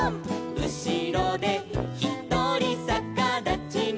「うしろでひとりさかだちルー」